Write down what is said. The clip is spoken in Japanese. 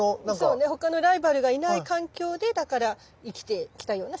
そうね他のライバルがいない環境でだから生きてきたような植物っていうことになる。